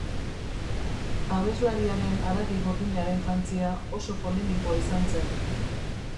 Abeslariaren haragi gordinaren jantzia oso polemikoa izan zen.